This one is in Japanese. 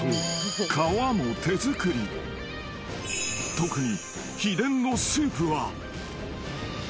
［特に］